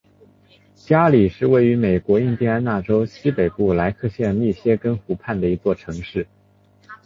加里是位于美国印第安纳州西北部莱克县密歇根湖畔的一座城市。